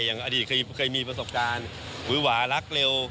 อย่างอดีตเคยมีประสบการณ์หวือหวารักเร็ว